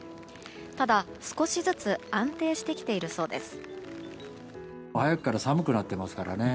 ただ、少しずつ安定してきているそうです。